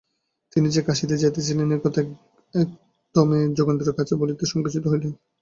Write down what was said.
তিনি যে কাশীতে যাইতেছিলেন এ কথা এক দমে যোগেন্দ্রের কাছে বলিতে সংকুচিত হইলেন।